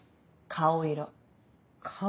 顔色。